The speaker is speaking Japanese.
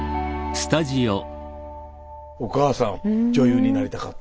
お母さん女優になりたかったって。